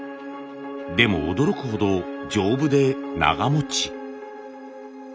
でも驚くほど丈夫で長もち。